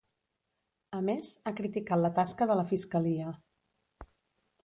A més, ha criticat la tasca de la fiscalia.